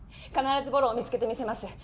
必ずボロを見つけてみせます